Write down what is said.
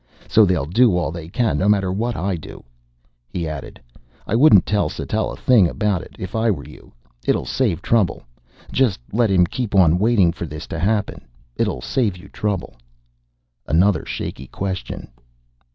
So they'll do all they can no matter what I do." He added, "I wouldn't tell Sattell a thing about it, if I were you. It'll save trouble. Just let him keep on waiting for this to happen. It'll save you trouble." Another shaky question.